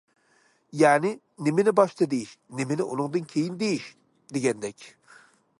يەنى، نېمىنى باشتا دېيىش، نېمىنى ئۇنىڭدىن كېيىن دېيىش... دېگەندەك.